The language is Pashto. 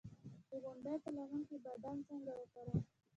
د غونډۍ په لمن کې بادام څنګه وکرم؟